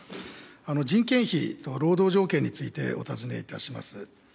人件費と労働条件についてお尋ねいたします。